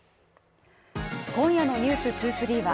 今夜の「ｎｅｗｓ２３」は